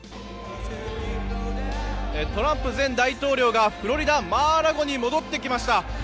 トランプ前大統領がフロリダ、マー・ア・ラゴに戻ってきました。